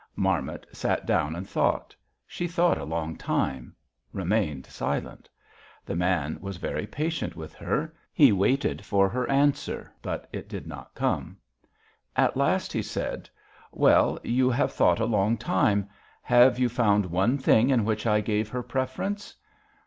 "Marmot sat down and thought. She thought a long time; remained silent. The man was very patient with her; he waited for her answer, but it did not come. At last he said: 'Well, you have thought a long time. Have you found one thing in which I gave her preference?'